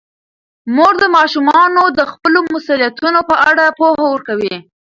مور د ماشومانو د خپلو مسوولیتونو په اړه پوهه ورکوي.